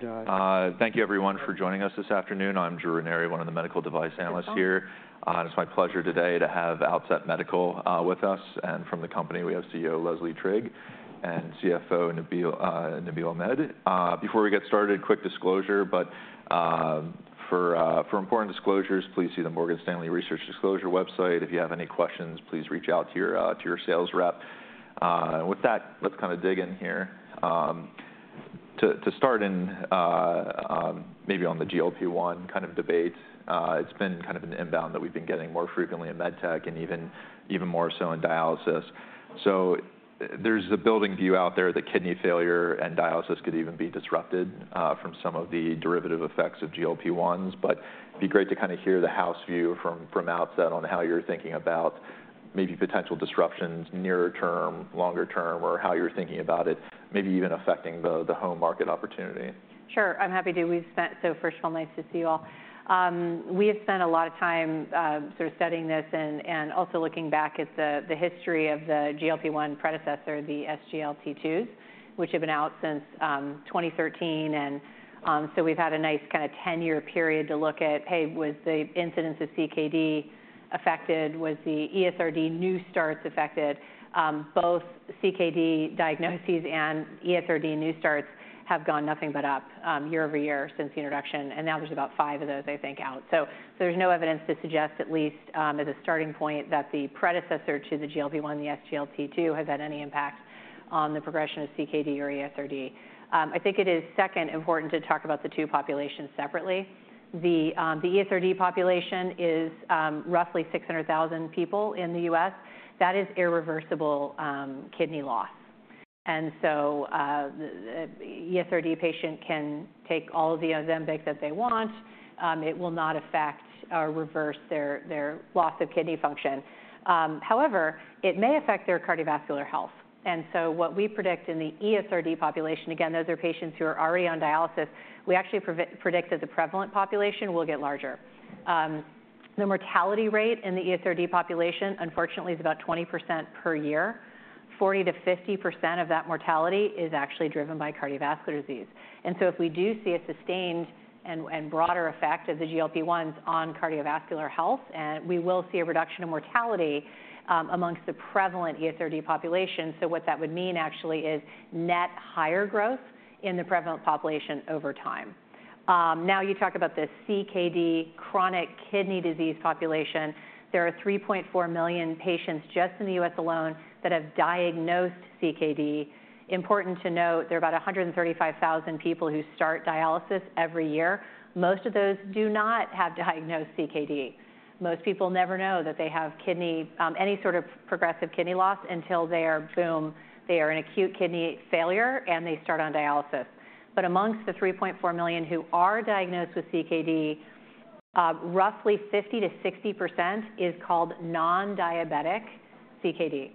Thank you everyone for joining us this afternoon. I'm Drew Ranieri, one of the medical device analysts here. It's my pleasure today to have Outset Medical with us, and from the company, we have CEO Leslie Trigg and CFO Nabeel Ahmed. Before we get started, quick disclosure, but for important disclosures, please see the Morgan Stanley Research Disclosure website. If you have any questions, please reach out to your sales rep. With that, let's kind of dig in here. To start, maybe on the GLP-1 kind of debate, it's been kind of an inbound that we've been getting more frequently in med tech and even more so in dialysis. So there's a building view out there that kidney failure and dialysis could even be disrupted from some of the derivative effects of GLP-1s, but it'd be great to kind of hear the house view from Outset on how you're thinking about maybe potential disruptions nearer term, longer term, or how you're thinking about it, maybe even affecting the home market opportunity. Sure, I'm happy to. We've spent so first of all, nice to see you all. We have spent a lot of time sort of studying this and also looking back at the history of the GLP-1 predecessor, the SGLT2s, which have been out since 2013. And so we've had a nice kind of ten-year period to look at, hey, was the incidence of CKD affected? Was the ESRD new starts affected? Both CKD diagnoses and ESRD new starts have gone nothing but up year-over-year since the introduction, and now there's about five of those, I think, out. So there's no evidence to suggest, at least as a starting point, that the predecessor to the GLP-1, the SGLT2, has had any impact on the progression of CKD or ESRD. I think it is, second, important to talk about the two populations separately. The ESRD population is roughly 600,000 people in the U.S. That is irreversible kidney loss. And so, the ESRD patient can take all of the Ozempic that they want, it will not affect or reverse their their loss of kidney function. However, it may affect their cardiovascular health. And so what we predict in the ESRD population, again, those are patients who are already on dialysis, we actually predict that the prevalent population will get larger. The mortality rate in the ESRD population, unfortunately, is about 20% per year. 40%-50% of that mortality is actually driven by cardiovascular disease. And so if we do see a sustained and broader effect of the GLP-1s on cardiovascular health, and we will see a reduction in mortality amongst the prevalent ESRD population. So what that would mean actually is net higher growth in the prevalent population over time. Now, you talk about the CKD, chronic kidney disease population. There are 3.4 million patients just in the U.S. alone that have diagnosed CKD. Important to note, there are about 135,000 people who start dialysis every year. Most of those do not have diagnosed CKD. Most people never know that they have kidney any sort of progressive kidney loss until they are, boom, they are in acute kidney failure, and they start on dialysis. But among the 3.4 million who are diagnosed with CKD, roughly 50%-60% is called non-diabetic CKD.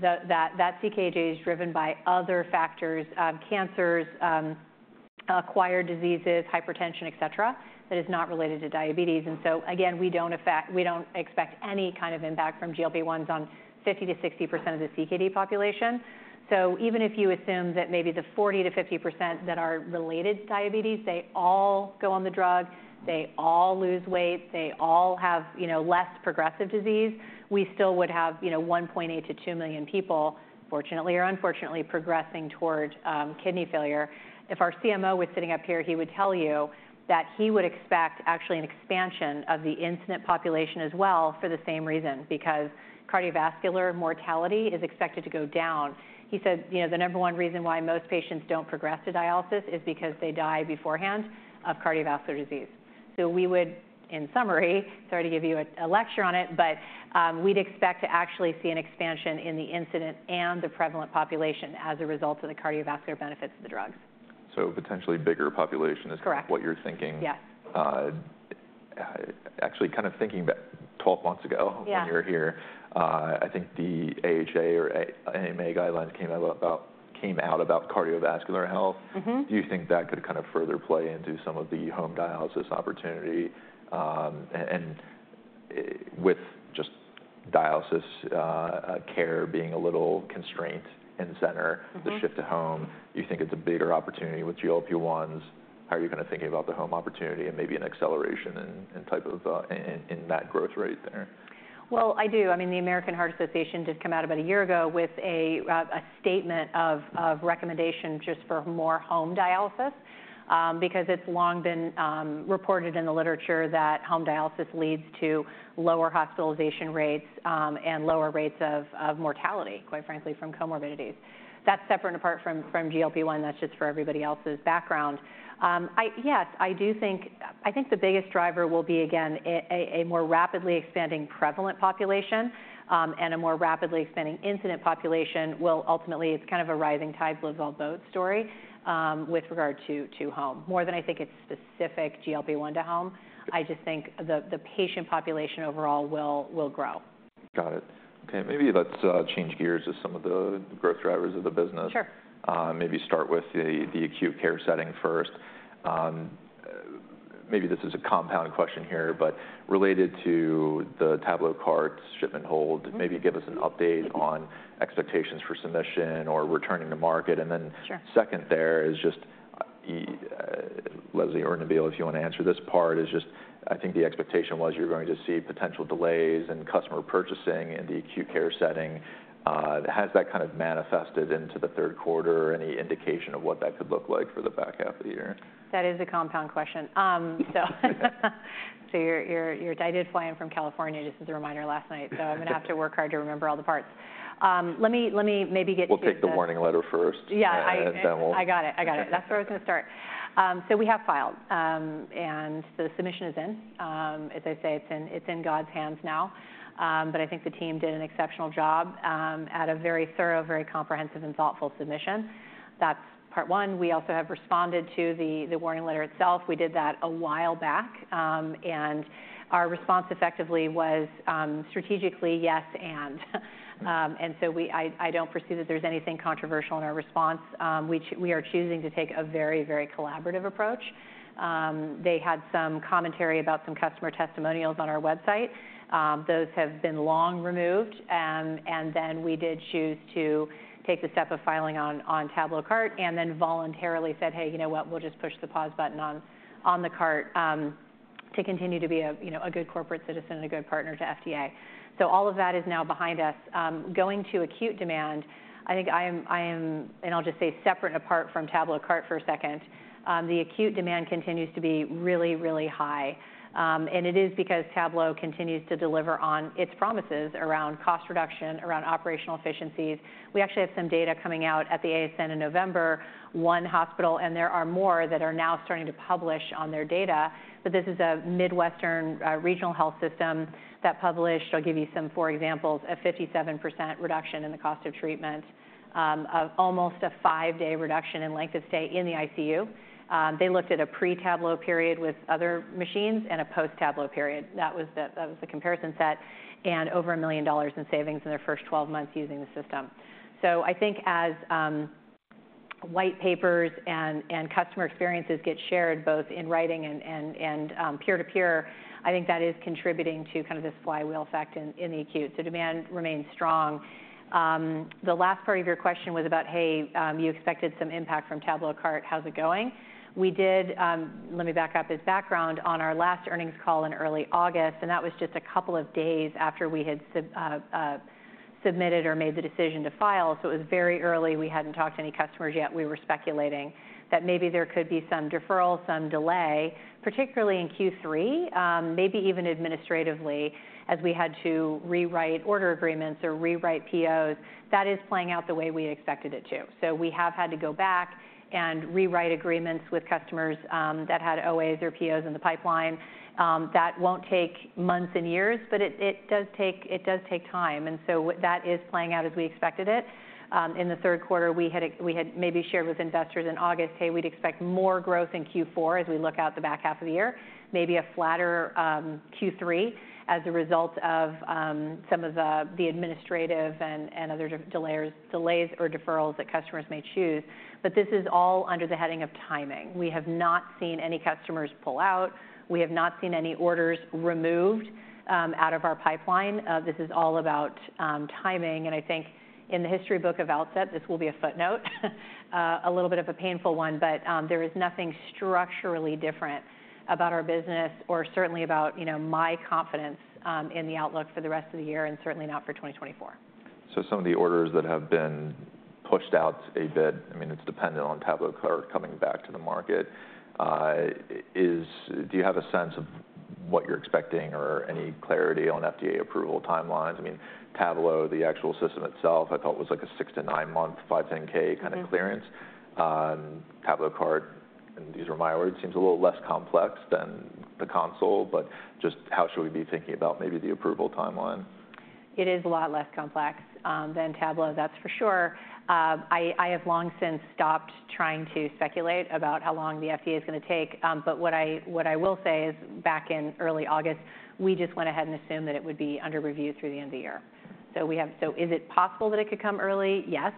That CKD is driven by other factors, cancers, acquired diseases, hypertension, et cetera, that is not related to diabetes. So again, we don't affect- we don't expect any kind of impact from GLP-1s on 50%-60% of the CKD population. So even if you assume that maybe the 40%-50% that are related to diabetes, they all go on the drug, they all lose weight, they all have, you know, less progressive disease, we still would have, you know, 1.8-2 million people, fortunately or unfortunately, progressing toward kidney failure. If our CMO was sitting up here, he would tell you that he would expect actually an expansion of the incident population as well for the same reason, because cardiovascular mortality is expected to go down. He said, you know, the number one reason why most patients don't progress to dialysis is because they die beforehand of cardiovascular disease. So we would, in summary, sorry to give you a lecture on it, but, we'd expect to actually see an expansion in the incident and the prevalent population as a result of the cardiovascular benefits of the drugs. So potentially bigger population- Correct. -is what you're thinking? Yes. Actually, kind of thinking back 12 months ago- Yeah when you were here, I think the AHA or A, AMA guidelines came out about cardiovascular health. Mm-hmm. Do you think that could kind of further play into some of the home dialysis opportunity? With just dialysis care being a little constrained in the center- Mm-hmm. the shift to home, do you think it's a bigger opportunity with GLP-1s? How are you kind of thinking about the home opportunity and maybe an acceleration and type of in that growth rate there? Well, I do. I mean, the American Heart Association did come out about a year ago with a statement of recommendation just for more home dialysis, because it's long been reported in the literature that home dialysis leads to lower hospitalization rates and lower rates of mortality, quite frankly, from comorbidities. That's separate and apart from GLP-1. That's just for everybody else's background. Yes, I do think—I think the biggest driver will be, again, a more rapidly expanding prevalent population and a more rapidly expanding incident population will ultimately... It's kind of a rising tide lifts all boats story with regard to home. More than I think it's specific GLP-1 to home, I just think the patient population overall will grow. Got it. Okay, maybe let's change gears to some of the growth drivers of the business. Sure. Maybe start with the acute care setting first. Maybe this is a compound question here, but related to the TabloCart shipment hold, maybe give us an update on expectations for submission or returning to market. Sure. Then second, there is just, Leslie or Nabeel, if you wanna answer this part, is just, I think the expectation was you're going to see potential delays in customer purchasing in the acute care setting. Has that kind of manifested into the third quarter? Any indication of what that could look like for the back half of the year? That is a compound question. I did fly in from California, just as a reminder, last night, so I'm gonna have to work hard to remember all the parts. Let me maybe get to the- We'll take the warning letter first. Yeah, I- Then we'll- I got it. I got it. Okay. That's where I was gonna start. So we have filed, and the submission is in. As I say, it's in, it's in God's hands now. But I think the team did an exceptional job at a very thorough, very comprehensive, and thoughtful submission. That's part one. We also have responded to the warning letter itself. We did that a while back, and our response effectively was strategically yes, and... And so we—I don't foresee that there's anything controversial in our response. We are choosing to take a very, very collaborative approach. They had some commentary about some customer testimonials on our website. Those have been long removed. And then we did choose to take the step of filing on TabloCart and then voluntarily said, "Hey, you know what? We'll just push the pause button on the cart to continue to be a, you know, a good corporate citizen and a good partner to FDA." So all of that is now behind us. Going to acute demand, I think I am and I'll just say separate and apart from TabloCart for a second, the acute demand continues to be really, really high. And it is because Tablo continues to deliver on its promises around cost reduction, around operational efficiencies. We actually have some data coming out at the ASN in November. One hospital, and there are more, that are now starting to publish on their data, but this is a Midwestern regional health system that published. I'll give you some four examples: a 57% reduction in the cost of treatment, of almost a 5-day reduction in length of stay in the ICU. They looked at a pre-Tablo period with other machines and a post-Tablo period. That was the comparison set, and over $1 million in savings in their first 12 months using the system. So I think as white papers and customer experiences get shared, both in writing and peer to peer, I think that is contributing to kind of this flywheel effect in the acute. So demand remains strong. The last part of your question was about, hey, you expected some impact from TabloCart. How's it going? We did. Let me back up. As background, on our last earnings call in early August, and that was just a couple of days after we had submitted or made the decision to file, so it was very early. We hadn't talked to any customers yet. We were speculating that maybe there could be some deferral, some delay, particularly in Q3, maybe even administratively, as we had to rewrite order agreements or rewrite POs. That is playing out the way we expected it to. So we have had to go back and rewrite agreements with customers, that had OAs or POs in the pipeline. That won't take months and years, but it does take time, and so what that is playing out as we expected it. In the third quarter, we had maybe shared with investors in August, "Hey, we'd expect more growth in Q4 as we look out the back half of the year. Maybe a flatter Q3 as a result of some of the administrative and other delayers, delays or deferrals that customers may choose." But this is all under the heading of timing. We have not seen any customers pull out. We have not seen any orders removed out of our pipeline. This is all about timing, and I think in the history book of Outset, this will be a footnote. A little bit of a painful one, but there is nothing structurally different about our business or certainly about, you know, my confidence in the outlook for the rest of the year, and certainly not for 2024. So some of the orders that have been pushed out a bit, I mean, it's dependent on TabloCart coming back to the market. Do you have a sense of what you're expecting or any clarity on FDA approval timelines? I mean, Tablo, the actual system itself, I thought, was, like, a 6-9-month 510(k)- Mm-hmm... kind of clearance. TabloCart, and these are my words, seems a little less complex than the console, but just how should we be thinking about maybe the approval timeline? It is a lot less complex than Tablo. That's for sure. I have long since stopped trying to speculate about how long the FDA is gonna take, but what I will say is, back in early August, we just went ahead and assumed that it would be under review through the end of the year. So is it possible that it could come early? Yes.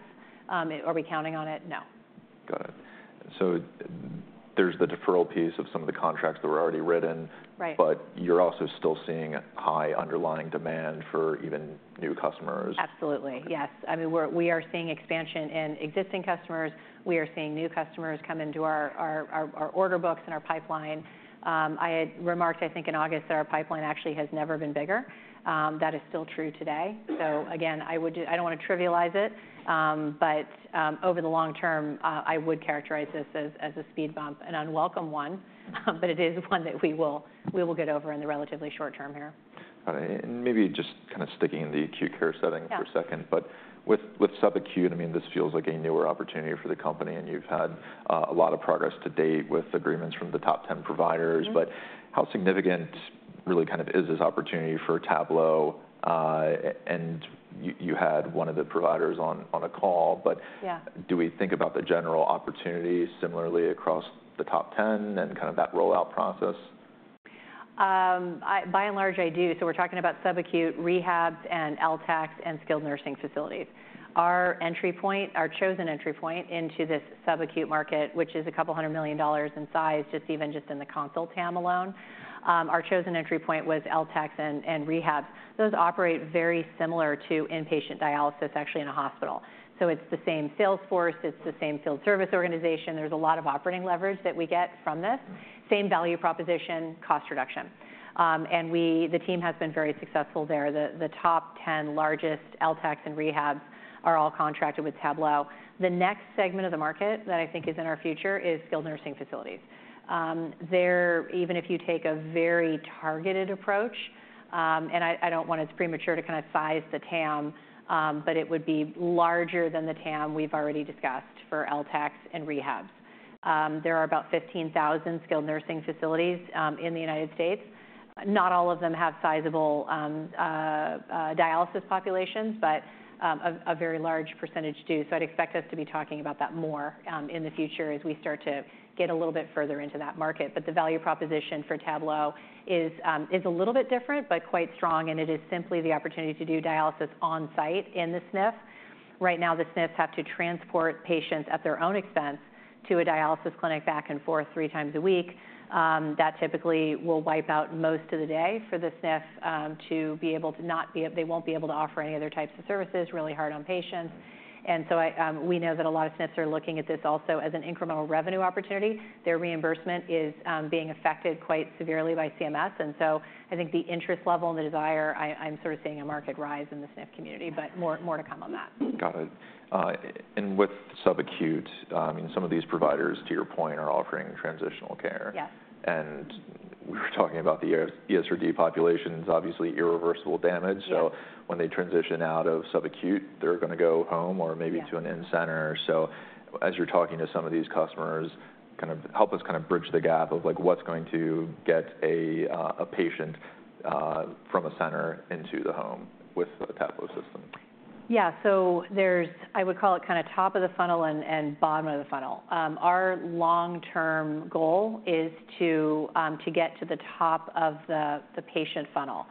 Are we counting on it? No. Got it. So there's the deferral piece of some of the contracts that were already written- Right... but you're also still seeing high underlying demand for even new customers? Absolutely. Okay. Yes. I mean, we are seeing expansion in existing customers. We are seeing new customers come into our order books and our pipeline. I had remarked, I think in August, that our pipeline actually has never been bigger. That is still true today. So again, I don't want to trivialize it, but over the long term, I would characterize this as a speed bump, an unwelcome one, but it is one that we will get over in the relatively short term here. All right, and maybe just kind of sticking in the acute care setting- Yeah... for a second, but with sub-acute, I mean, this feels like a newer opportunity for the company, and you've had a lot of progress to date with agreements from the top ten providers. Mm-hmm. But how significant really kind of is this opportunity for Tablo? And you had one of the providers on, on a call, but- Yeah... do we think about the general opportunities similarly across the top ten and kind of that rollout process?... I, by and large, I do. So we're talking about subacute rehabs and LTACs and skilled nursing facilities. Our entry point, our chosen entry point into this subacute market, which is a couple of hundred million dollars in size, just in the consult TAM alone, our chosen entry point was LTACs and rehabs. Those operate very similar to inpatient dialysis, actually, in a hospital. So it's the same sales force, it's the same field service organization. There's a lot of operating leverage that we get from this. Same value proposition, cost reduction. And the team has been very successful there. The top 10 largest LTACs and rehabs are all contracted with Tablo. The next segment of the market that I think is in our future is skilled nursing facilities. There, even if you take a very targeted approach, and I don't. It's premature to kind of size the TAM, but it would be larger than the TAM we've already discussed for LTACs and rehabs. There are about 15,000 skilled nursing facilities in the United States. Not all of them have sizable dialysis populations, but a very large percentage do. So I'd expect us to be talking about that more in the future as we start to get a little bit further into that market. But the value proposition for Tablo is a little bit different, but quite strong, and it is simply the opportunity to do dialysis on-site in the SNF. Right now, the SNFs have to transport patients at their own expense to a dialysis clinic back and forth three times a week. That typically will wipe out most of the day for the SNF, to be able—they won't be able to offer any other types of services, really hard on patients. And so I, we know that a lot of SNFs are looking at this also as an incremental revenue opportunity. Their reimbursement is being affected quite severely by CMS, and so I think the interest level and the desire, I, I'm sort of seeing a market rise in the SNF community, but more to come on that. Got it. With subacute, and some of these providers, to your point, are offering transitional care. Yes. We were talking about the ESRD population, is obviously irreversible damage. Yes. So when they transition out of subacute, they're gonna go home or maybe- Yeah to an in-center. So as you're talking to some of these customers, kind of help us kind of bridge the gap of, like, what's going to get a patient from a center into the home with the Tablo system? Yeah. So there's, I would call it, kind of top of the funnel and bottom of the funnel. Our long-term goal is to get to the top of the patient funnel.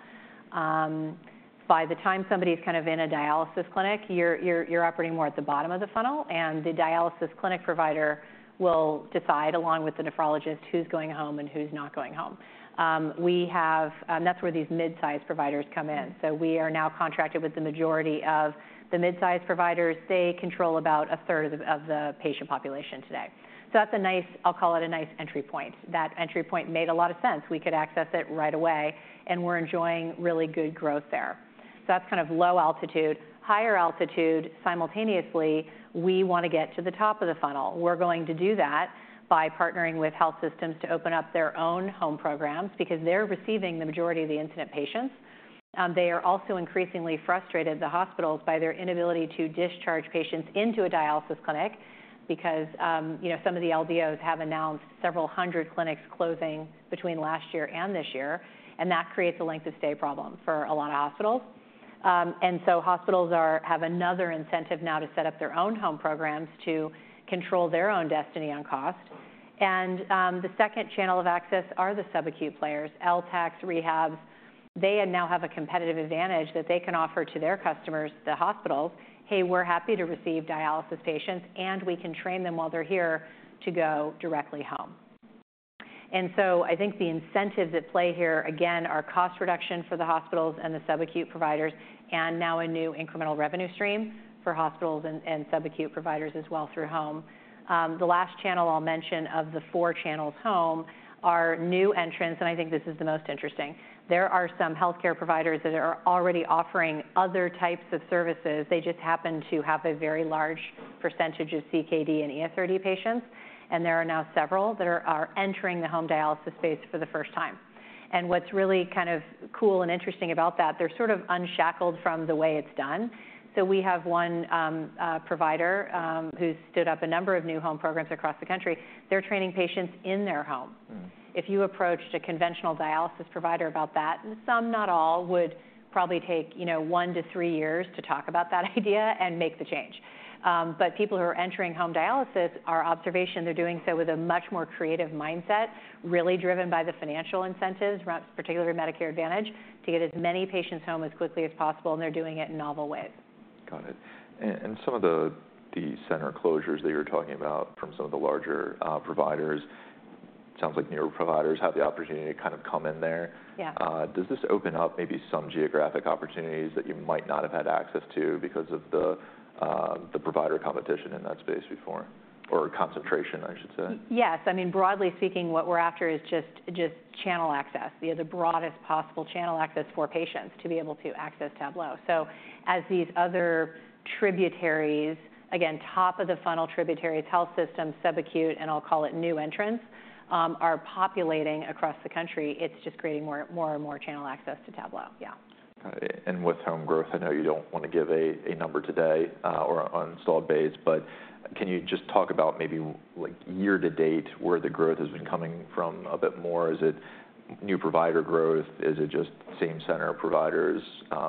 By the time somebody's kind of in a dialysis clinic, you're operating more at the bottom of the funnel, and the dialysis clinic provider will decide, along with the nephrologist, who's going home and who's not going home. That's where these mid-size providers come in. So we are now contracted with the majority of the mid-size providers. They control about a third of the patient population today. So that's a nice, I'll call it a nice entry point. That entry point made a lot of sense. We could access it right away, and we're enjoying really good growth there. So that's kind of low altitude. Higher altitude, simultaneously, we want to get to the top of the funnel. We're going to do that by partnering with health systems to open up their own home programs because they're receiving the majority of the incident patients. They are also increasingly frustrated, the hospitals, by their inability to discharge patients into a dialysis clinic because, you know, some of the LDOs have announced several hundred clinics closing between last year and this year, and that creates a length of stay problem for a lot of hospitals. And so hospitals have another incentive now to set up their own home programs to control their own destiny on cost. And, the second channel of access are the subacute players, LTACs, rehabs. They now have a competitive advantage that they can offer to their customers, the hospitals, "Hey, we're happy to receive dialysis patients, and we can train them while they're here to go directly home." And so I think the incentives at play here, again, are cost reduction for the hospitals and the subacute providers, and now a new incremental revenue stream for hospitals and subacute providers as well through home. The last channel I'll mention of the four channels home are new entrants, and I think this is the most interesting. There are some healthcare providers that are already offering other types of services. They just happen to have a very large percentage of CKD and ESRD patients, and there are now several that are entering the home dialysis space for the first time. What's really kind of cool and interesting about that, they're sort of unshackled from the way it's done. So we have one provider who stood up a number of new home programs across the country. They're training patients in their home. Mm-hmm. If you approached a conventional dialysis provider about that, some, not all, would probably take you know, 1-3 years to talk about that idea and make the change. But people who are entering home dialysis, our observation, they're doing so with a much more creative mindset, really driven by the financial incentives, particularly Medicare Advantage, to get as many patients home as quickly as possible, and they're doing it in novel ways. Got it. And some of the center closures that you're talking about from some of the larger providers sounds like newer providers have the opportunity to kind of come in there. Yeah. Does this open up maybe some geographic opportunities that you might not have had access to because of the provider competition in that space before? Or concentration, I should say. Yes. I mean, broadly speaking, what we're after is just, just channel access. We have the broadest possible channel access for patients to be able to access Tablo. So as these other tributaries, again, top of the funnel, tributaries, health systems, subacute, and I'll call it new entrants, are populating across the country, it's just creating more, more and more channel access to Tablo. Yeah. And with home growth, I know you don't want to give a, a number today, or on installed base, but can you just talk about maybe, like, year-to-date, where the growth has been coming from a bit more? Is it new provider growth, is it just same center providers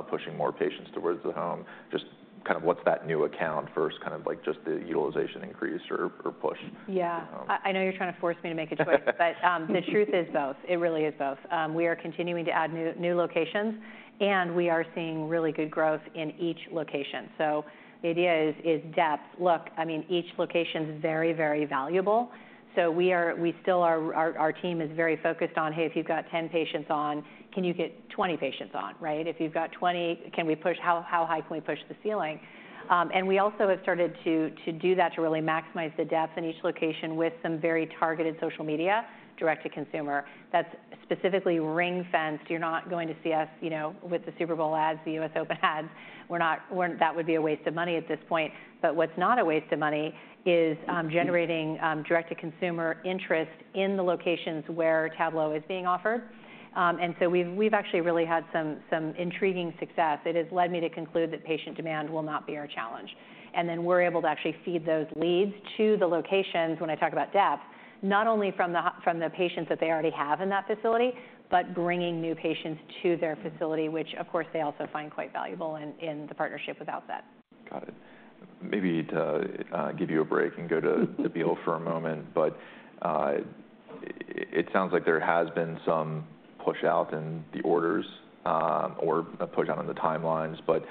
pushing more patients towards the home? Just kind of what's that new account versus kind of like just the utilization increase or push? Yeah. Um- I know you're trying to force me to make a choice, but the truth is both. It really is both. We are continuing to add new locations, and we are seeing really good growth in each location. So the idea is depth. Look, I mean, each location's very, very valuable, so we are. We still are. Our team is very focused on, "Hey, if you've got 10 patients on, can you get 20 patients on?" Right? "If you've got 20, can we push, how high can we push the ceiling?" And we also have started to do that, to really maximize the depth in each location with some very targeted social media, direct-to-consumer, that's specifically ring-fenced. You're not going to see us, you know, with the Super Bowl ads, the U.S. Open ads. We're not. That would be a waste of money at this point. But what's not a waste of money is generating direct-to-consumer interest in the locations where Tablo is being offered. And so we've actually really had some intriguing success. It has led me to conclude that patient demand will not be our challenge. And then we're able to actually feed those leads to the locations, when I talk about depth, not only from the patients that they already have in that facility, but bringing new patients to their facility- which, of course, they also find quite valuable in the partnership with Outset. Got it. Maybe to give you a break and go to Nabeel for a moment, but it sounds like there has been some pushout in the orders, or a pushout on the timelines. But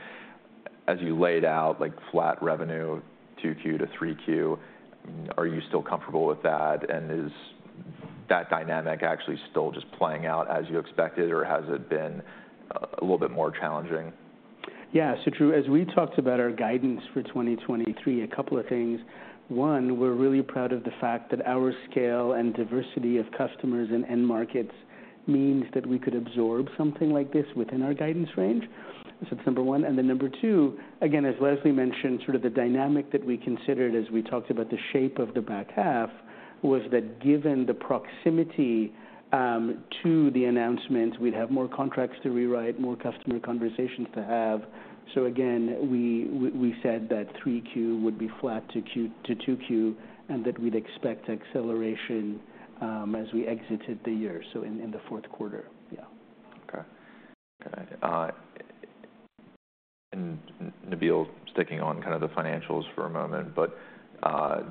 as you laid out, like, flat revenue, 2Q to 3Q, are you still comfortable with that? And is that dynamic actually still just playing out as you expected, or has it been a little bit more challenging? Yeah. So Drew, as we talked about our guidance for 2023, a couple of things: One, we're really proud of the fact that our scale and diversity of customers and end markets means that we could absorb something like this within our guidance range. So that's number one, and then number two, again, as Leslie mentioned, sort of the dynamic that we considered as we talked about the shape of the back half, was that given the proximity to the announcement, we'd have more contracts to rewrite, more customer conversations to have. So again, we said that 3Q would be flat to 2Q, and that we'd expect acceleration as we exited the year, so in the fourth quarter. Yeah. Okay. Okay, and Nabeel, sticking on kind of the financials for a moment, but,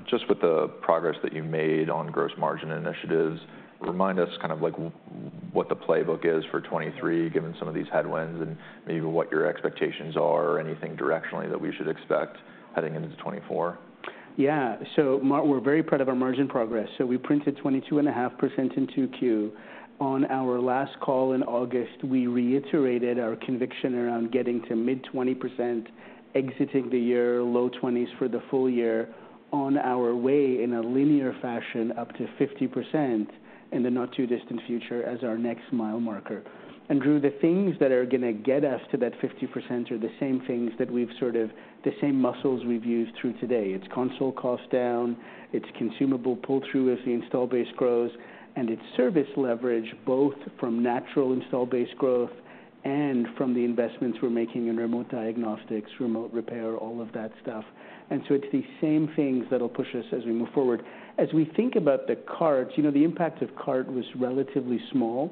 just with the progress that you made on gross margin initiatives, remind us kind of, like, what the playbook is for 2023, given some of these headwinds, and maybe what your expectations are, or anything directionally that we should expect heading into 2024. Yeah. So, we're very proud of our margin progress. So we printed 22.5% in 2Q. On our last call in August, we reiterated our conviction around getting to mid-20%, exiting the year, low 20s for the full year, on our way, in a linear fashion, up to 50% in the not-too-distant future as our next mile marker. And Drew, the things that are gonna get us to that 50% are the same things that we've sort of the same muscles we've used through today. It's console cost down, it's consumable pull-through as the install base grows, and it's service leverage, both from natural install base growth and from the investments we're making in remote diagnostics, remote repair, all of that stuff. And so it's the same things that'll push us as we move forward. As we think about the carts, you know, the impact of Cart was relatively small,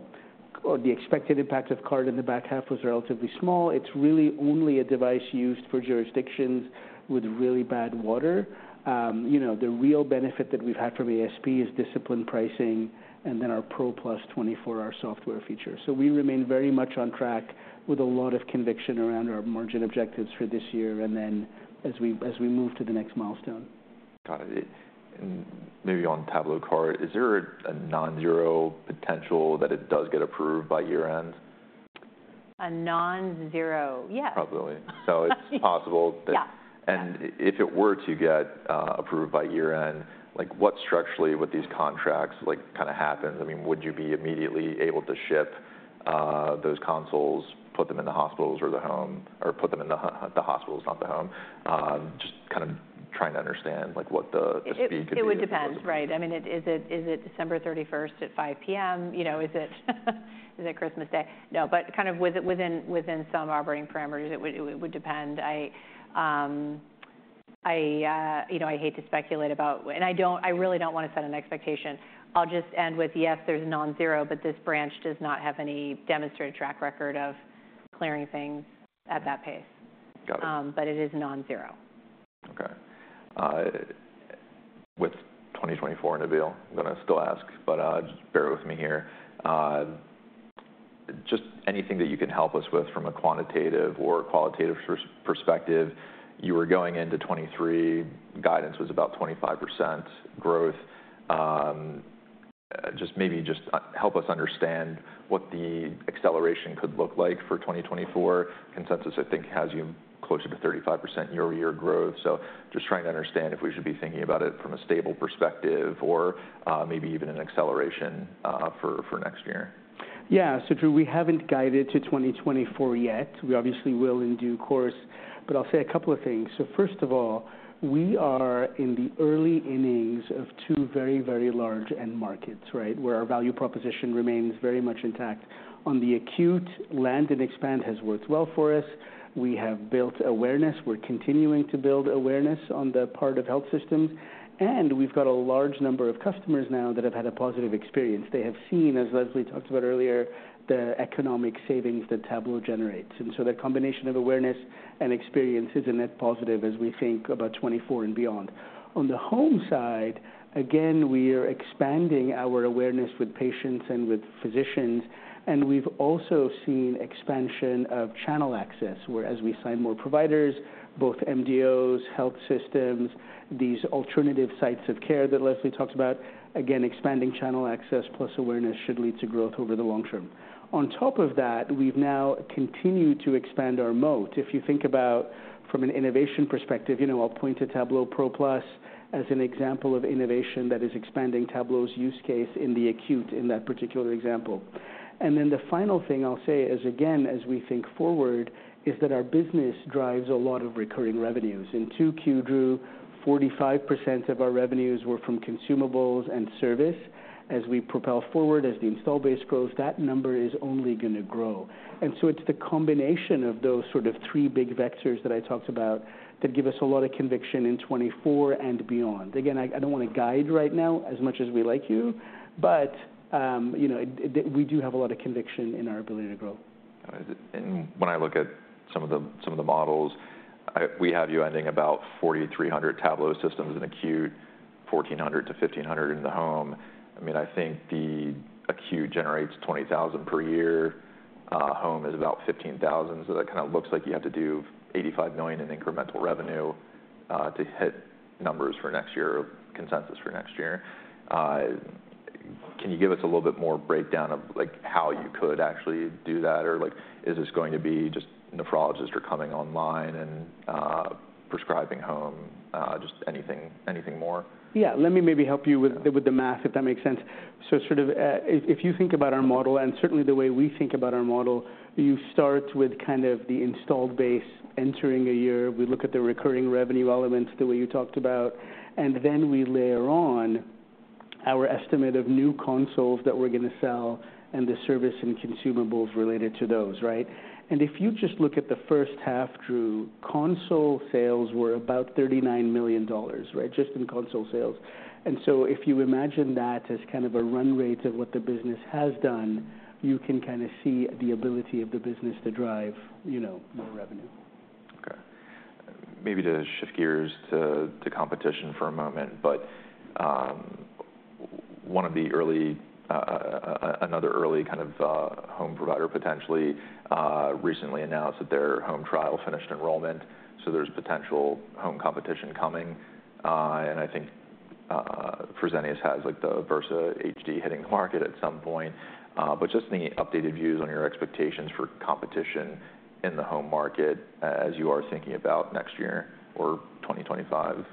or the expected impact of Cart in the back half was relatively small. It's really only a device used for jurisdictions with really bad water. You know, the real benefit that we've had from ASP is disciplined pricing and then our Pro Plus 24-hour software feature. So we remain very much on track with a lot of conviction around our margin objectives for this year, and then as we move to the next milestone. Got it. Maybe on TabloCart, is there a non-zero potential that it does get approved by year-end? A non-zero? Yes. Probably. So it's possible that- Yeah. Yeah. If it were to get approved by year-end, like, what structurally with these contracts, like, kind of happens? I mean, would you be immediately able to ship those consoles, put them in the hospitals, not the home? Just kind of trying to understand, like, what the speed could be. It would depend, right. I mean, is it December thirty-first at 5 P.M.? You know, is it Christmas Day? No, but kind of within some operating parameters, it would depend. I, you know, I hate to speculate about... I don't, I really don't want to set an expectation. I'll just end with, yes, there's non-zero, but this branch does not have any demonstrated track record of clearing things at that pace. Got it. But it is non-zero. Okay. With 2024, Nabeel, I'm gonna still ask, but just bear with me here. Just anything that you can help us with from a quantitative or qualitative perspective. You were going into 2023, guidance was about 25% growth. Just maybe help us understand what the acceleration could look like for 2024. Consensus, I think, has you closer to 35% year-over-year growth, so just trying to understand if we should be thinking about it from a stable perspective or maybe even an acceleration for next year. Yeah. So Drew, we haven't guided to 2024 yet. We obviously will in due course... but I'll say a couple of things. So first of all, we are in the early innings of two very, very large end markets, right? Where our value proposition remains very much intact. On the acute, land and expand has worked well for us. We have built awareness. We're continuing to build awareness on the part of health systems, and we've got a large number of customers now that have had a positive experience. They have seen, as Leslie talked about earlier, the economic savings that Tablo generates. And so that combination of awareness and experience is a net positive as we think about 2024 and beyond. On the home side, again, we are expanding our awareness with patients and with physicians, and we've also seen expansion of channel access, whereas we sign more providers, both MDOs, health systems, these alternative sites of care that Leslie talked about, again, expanding channel access plus awareness should lead to growth over the long term. On top of that, we've now continued to expand our moat. If you think about from an innovation perspective, you know, I'll point to Tablo Pro Plus as an example of innovation that is expanding Tablo's use case in the acute, in that particular example. And then the final thing I'll say is, again, as we think forward, is that our business drives a lot of recurring revenues. In 2Q, Drew, 45% of our revenues were from consumables and service. As we propel forward, as the install base grows, that number is only gonna grow. And so it's the combination of those sort of three big vectors that I talked about that give us a lot of conviction in 2024 and beyond. Again, I don't wanna guide right now, as much as we like to, but, you know, it, we do have a lot of conviction in our ability to grow. When I look at some of the, some of the models, I we have you, I think, about 4,300 Tablo systems in acute, 1,400-1,500 in the home. I mean, I think the acute generates 20,000 per year, home is about 15,000. So that kind of looks like you have to do $85 million in incremental revenue to hit numbers for next year or consensus for next year. Can you give us a little bit more breakdown of, like, how you could actually do that? Or like, is this going to be just nephrologists are coming online and prescribing home, just anything, anything more? Yeah, let me maybe help you with the math, if that makes sense. So sort of, if you think about our model, and certainly the way we think about our model, you start with kind of the installed base entering a year. We look at the recurring revenue elements, the way you talked about, and then we layer on our estimate of new consoles that we're gonna sell and the service and consumables related to those, right? And if you just look at the first half, Drew, console sales were about $39 million, right? Just in console sales. And so if you imagine that as kind of a run rate of what the business has done, you can kind of see the ability of the business to drive, you know, more revenue. Okay. Maybe to shift gears to competition for a moment, but one of the early, another early kind of home provider potentially recently announced that their home trial finished enrollment, so there's potential home competition coming. And I think Fresenius has, like, the VersiHD hitting the market at some point. But just any updated views on your expectations for competition in the home market as you are thinking about next year or 2025.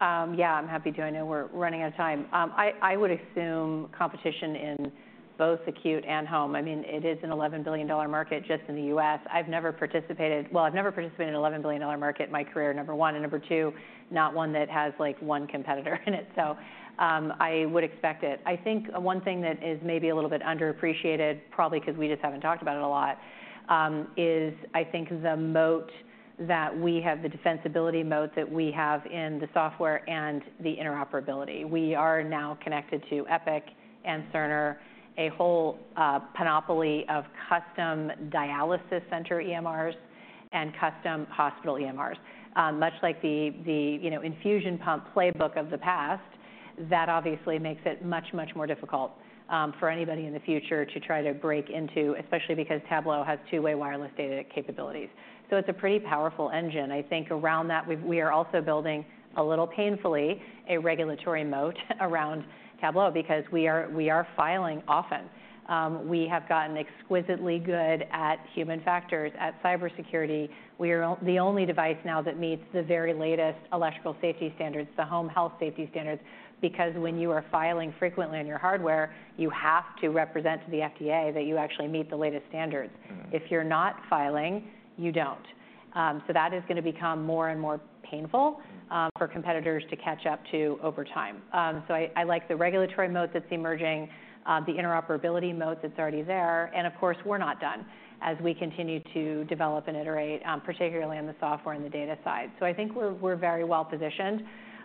Yeah, I'm happy to. I know we're running out of time. I would assume competition in both acute and home. I mean, it is an $11 billion market just in the U.S. I've never participated in an $11 billion market in my career, number one, and number two, not one that has, like, one competitor in it, so I would expect it. I think one thing that is maybe a little bit underappreciated, probably because we just haven't talked about it a lot, is, I think, the moat that we have, the defensibility moat that we have in the software and the interoperability. We are now connected to Epic and Cerner, a whole panoply of custom dialysis center EMRs and custom hospital EMRs. Much like the, you know, infusion pump playbook of the past, that obviously makes it much, much more difficult for anybody in the future to try to break into, especially because Tablo has two-way wireless data capabilities. So it's a pretty powerful engine. I think around that, we are also building, a little painfully, a regulatory moat around Tablo because we are filing often. We have gotten exquisitely good at human factors, at cybersecurity. We are the only device now that meets the very latest electrical safety standards, the home health safety standards, because when you are filing frequently on your hardware, you have to represent to the FDA that you actually meet the latest standards. Mm-hmm. If you're not filing, you don't. So that is gonna become more and more painful for competitors to catch up to over time. So I, I like the regulatory moat that's emerging, the interoperability moat that's already there, and of course, we're not done as we continue to develop and iterate, particularly on the software and the data side. So I think we're, we're very well positioned.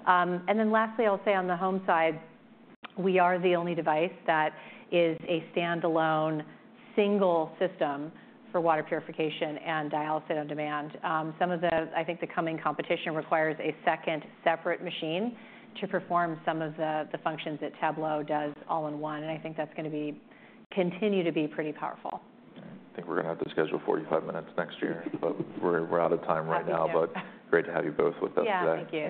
And then lastly, I'll say on the home side, we are the only device that is a standalone single system for water purification and dialysis on demand. Some of the... I think the coming competition requires a second separate machine to perform some of the, the functions that Tablo does all in one, and I think that's gonna be continue to be pretty powerful. I think we're gonna have to schedule 45 minutes next year, but we're out of time right now- Happy to. Great to have you both with us today. Yeah, thank you.